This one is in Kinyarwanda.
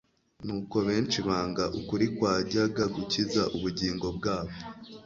Nuko benshi banga ukuri kwajyaga gukiza ubugingo bwabo.